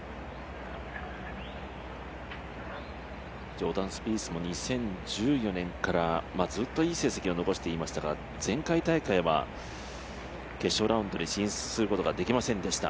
ジョーダン・スピースも２０１４年から、ずっといい成績を残していましたが、前回大会は決勝ラウンドに進出することができませんでした。